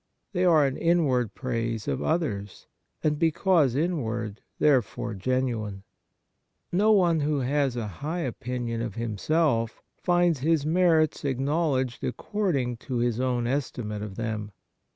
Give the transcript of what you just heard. They are ari inward praise of others, and because in ward therefore genuine. No one who has Kind Thoughts 53 a high opinion of himself finds his merits acknowledged according to his own esti mate of them.